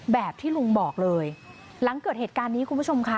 แบบที่ลุงบอกเลยหลังเกิดเหตุการณ์นี้คุณผู้ชมค่ะ